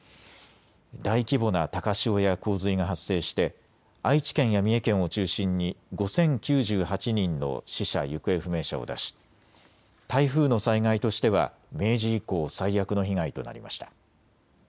大規模な高潮や洪水が発生して愛知県や三重県を中心に５０９８人の死者・行方不明者を出し、台風の災害としては明治以降、最悪の被害となりました。